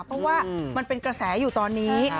เพราะว่ามันเป็นกระแสอยู่ตอนนี้